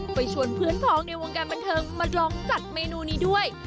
ไปชวนเพื่อนพ้องในวงการบันเทิงมาลองจัดเมนูนี้ด้วย